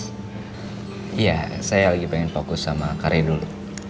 iya saya lagi pengen fokus sama karya dulu